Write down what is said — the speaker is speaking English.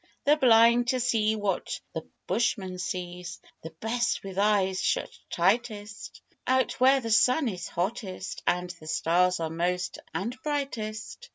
They're blind to what the bushman sees The best with eyes shut tightest, Out where the sun is hottest and The stars are most and brightest.